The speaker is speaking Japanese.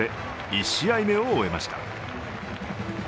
１試合目を終えました。